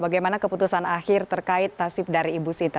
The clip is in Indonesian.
bagaimana keputusan akhir terkait tasib dari ibu sinta